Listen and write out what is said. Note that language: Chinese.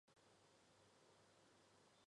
光绪三十一年正月组成。